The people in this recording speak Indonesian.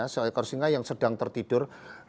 seekor singa yang sedang tertidur